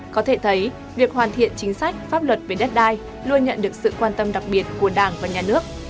có thể thấy việc hoàn thiện chính sách pháp luật về đất đai luôn nhận được sự quan tâm đặc biệt của đảng và nhà nước